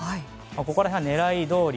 ここら辺は狙いどおり。